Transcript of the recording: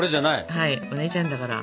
はいお姉ちゃんだから。